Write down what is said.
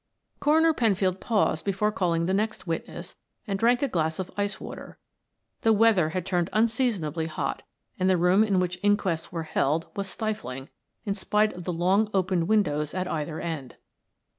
Coroner Penfield paused before calling the next witness and drank a glass of ice water; the weather had turned unseasonably hot, and the room in which inquests were held, was stifling, in spite of the long opened windows at either end.